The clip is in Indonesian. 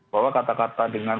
bahwa kata kata dengan